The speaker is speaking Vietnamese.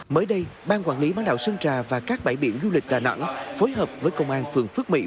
mới đây ban quản lý bán đảo sơn trà và các bãi biển du lịch đà nẵng phối hợp với công an phường phước mỹ